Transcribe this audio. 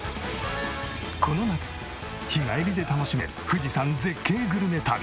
この夏日帰りで楽しめる富士山絶景グルメ旅。